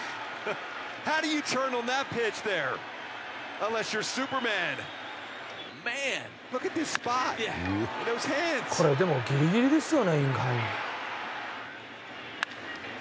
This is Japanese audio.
更にこれでもギリギリですよねインハイ。